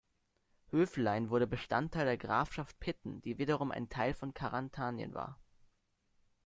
Höflein wurde Bestandteil der Grafschaft Pitten, die wiederum ein Teil von Karantanien war.